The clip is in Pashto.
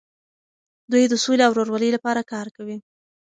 دوی د سولې او ورورولۍ لپاره کار کوي.